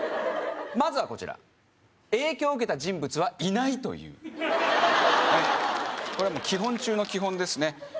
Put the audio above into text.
まずはこちら影響を受けた人物は「いない」と言うこれはもう基本中の基本ですね